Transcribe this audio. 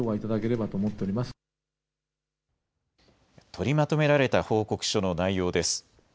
取りまとめられた報告書の内容です。